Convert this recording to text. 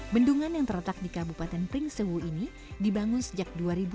bendungan yang terletak di kabupaten pringsewu ini dibangun sejak dua ribu empat belas